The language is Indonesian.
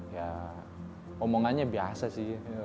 ya omongannya biasa sih